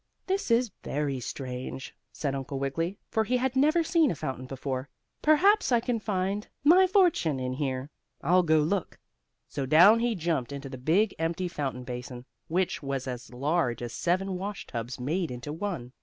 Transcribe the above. "This is very strange," said Uncle Wiggily, for he had never seen a fountain before, "perhaps I can find my fortune in here. I'll go look." So down he jumped into the big empty fountain basin, which was as large as seven wash tubs made into one.